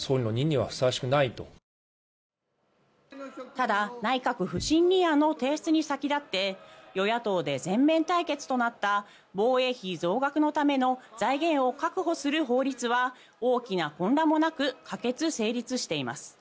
ただ、内閣不信任案提出に先立って与野党で全面対決となった防衛費増額のための財源を確保する法律は大きな混乱もなく可決・成立しています。